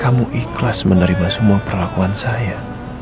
kamu ikhlas menerima semua perlakuan saya